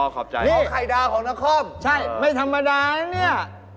อ๋อขอบใจนะครับนี่